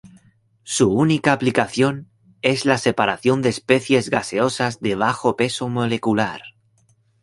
Su única aplicación es la separación de especies gaseosas de bajo peso molecular.